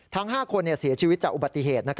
ทั้ง๕คนเสียชีวิตจากอุบัติเหตุ